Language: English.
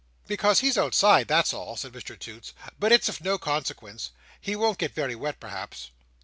"Because he's outside: that's all," said Mr Toots. "But it's of no consequence; he won't get very wet, perhaps."